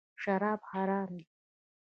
شراب حرام دي .